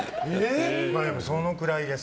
でも、そのくらいです。